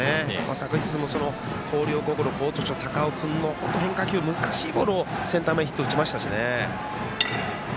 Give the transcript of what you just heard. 昨日も広陵高校の好投手高尾君の難しいボールをセンター前に打ちましたからね。